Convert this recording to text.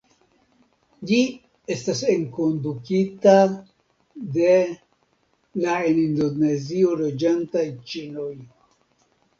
Ĝi estas enkondukita de la en Indonezio loĝantaj ĉinoj.